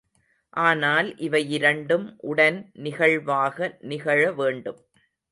ஆனால் இவையிரண்டும் உடன் நிகழ்வாக நிகழ வேண்டும்.